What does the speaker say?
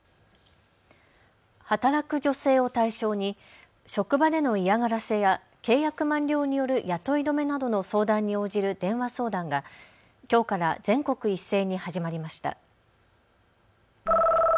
働く女性を対象に職場での嫌がらせや契約満了による雇い止めなどの相談に応じる電話相談がきょうから全国一斉に始まりました。